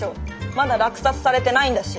まだ落札されてないんだし。